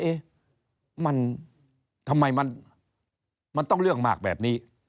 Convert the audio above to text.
เอ๊ะมันทำไมมันต้องเรื่องมากแบบนี้